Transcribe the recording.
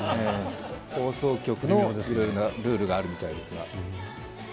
放送局のいろいろなルールがあるみたいですが。